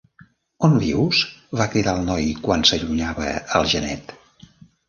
"On vius?", va cridar el noi, quan s'allunyava el genet.